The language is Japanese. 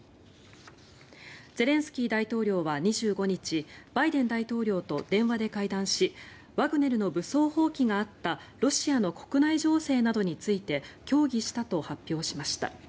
ゼレンスキー大統領は２５日バイデン大統領と電話で会談しワグネルの武装蜂起があったロシアの国内情勢などについて協議したと発表しました。